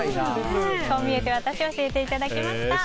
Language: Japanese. こう見えてワタシ教えていただきました。